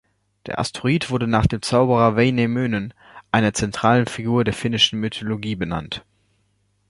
Der Asteroid wurde nach dem Zauberer Väinämöinen, einer zentralen Figur der finnischen Mythologie, benannt.